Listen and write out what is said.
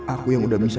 aku yang udah bisa